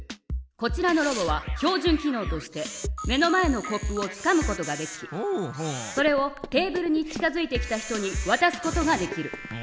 こちらのロボは標じゅん機のうとして目の前のコップをつかむことができそれをテーブルに近づいてきた人にわたすことができる。